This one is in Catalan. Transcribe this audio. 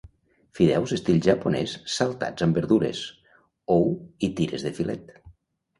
Fideus estil japonès saltats amb verdures, ou i tires de filet.